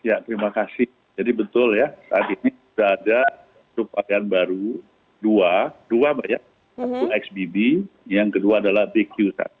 ya terima kasih jadi betul ya saat ini sudah ada subvarian baru dua dua mbak satu xbb yang kedua adalah bq satu